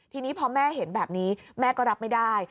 ทีนี้พอแม่เห็นแบบนี้แม่ก็รับไม่ได้